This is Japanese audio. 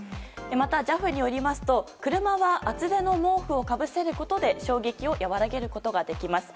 また、ＪＡＦによりますと車は厚手の毛布をかぶせることで衝撃を和らげることができます。